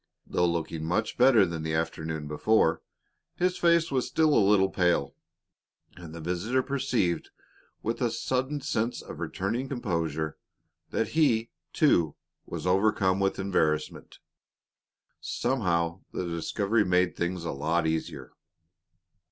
Though looking much better than he had the afternoon before, his face was still a little pale, and the visitor perceived, with a sudden sense of returning composure, that he, too, was overcome with embarrassment. Somehow the discovery made things a lot easier.